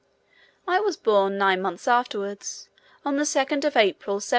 I was born nine months afterwards, on the 2nd of April, 1725.